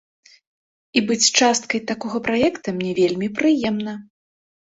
І быць часткай такога праекта мне вельмі прыемна.